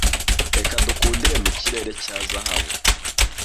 Reka dukundire mu kirere cya zahabu,